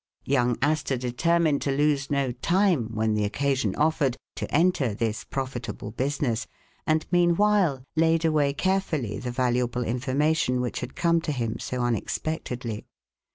Young Astor determined to lose no time when the occasion offered, to enter this profitable business, and meanwhile laid away carefully the valuable informa tion which had come to him so unexpectedly.